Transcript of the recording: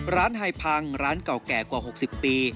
ไฮพังร้านเก่าแก่กว่า๖๐ปี